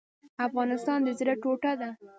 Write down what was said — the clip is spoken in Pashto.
افغانستان د زړه ټوټه ده؟